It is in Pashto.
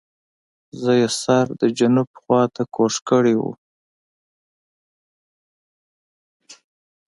زه یې سر د جنوب خواته کوږ کړی وو.